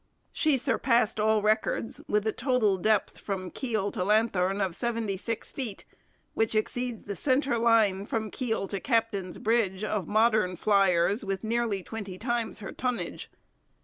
She surpassed all records, with a total depth from keel to lanthorn of seventy six feet, which exceeds the centre line, from keel to captain's bridge, of modern 'fliers' with nearly twenty times her tonnage.